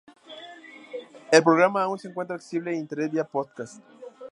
El programa aún se encuentra accesible en Internet vía podcast.